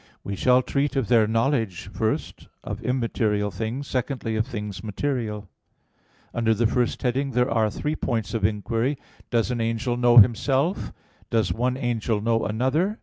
We shall treat of their knowledge, first, of immaterial things, secondly of things material. Under the first heading there are three points of inquiry: (1) Does an angel know himself? (2) Does one angel know another?